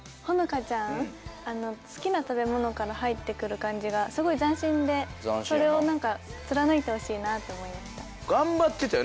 歩和ちゃん好きな食べ物から入ってくる感じがすごい斬新でそれを何か貫いてほしいなと思いました。